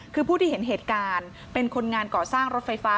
คือผู้ที่เห็นเหตุการณ์เป็นคนงานก่อสร้างรถไฟฟ้า